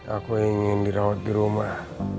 aku ingin dirawat di rumah